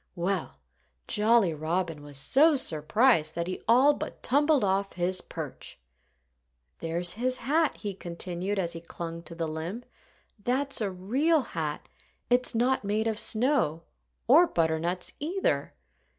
Well, Jolly Robin was so surprised that he all but tumbled off his perch. "There's his hat " he continued, as he clung to the limb "that's a real hat. It's not made of snow or butternuts, either."